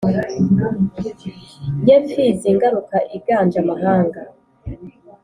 ye mfizi ngarura iganje amahanga